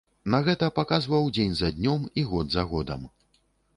На гэта паказваў дзень за днём і год за годам.